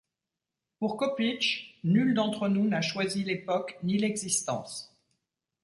Pour Kopić, nul d'entre nous n'a choisi l'époque ni l'existence.